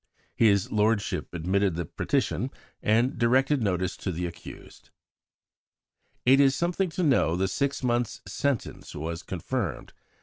His lordship admitted the petition, and directed notice to the accused." It is something to know the six months' sentence was confirmed.